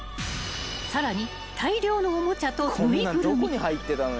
［さらに大量のおもちゃと縫いぐるみ］